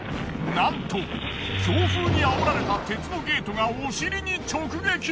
なんと強風にあおられた鉄のゲートがお尻に直撃！